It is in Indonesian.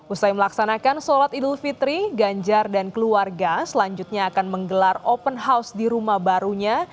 usai melaksanakan sholat idul fitri ganjar dan keluarga selanjutnya akan menggelar open house di rumah barunya